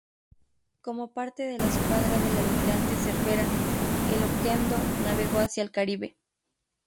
Como parte de la escuadra del almirante Cervera, el "Oquendo" navegó hacia el Caribe.